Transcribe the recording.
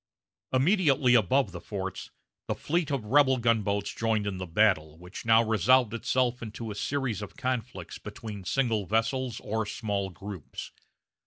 Immediately above the forts, the fleet of rebel gunboats joined in the battle, which now resolved itself into a series of conflicts between single vessels or small groups.